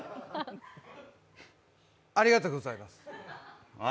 ありがとうございます。